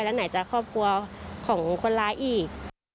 แล้วไหนจะครอบครัวของคนร้ายอีก